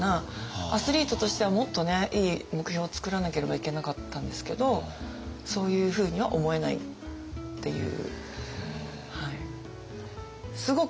アスリートとしてはもっといい目標をつくらなければいけなかったんですけどそういうふうには思えないっていう。